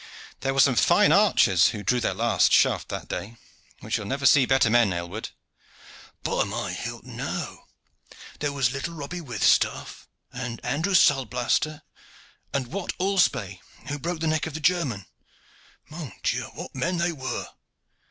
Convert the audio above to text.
There were some fine archers who drew their last shaft that day. We shall never see better men, Aylward." "By my hilt! no. There was little Robby Withstaff, and Andrew Salblaster, and Wat Alspaye, who broke the neck of the German. Mon Dieu! what men they were!